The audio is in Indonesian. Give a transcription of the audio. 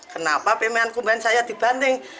kenapa pemean kumbahan saya dibanting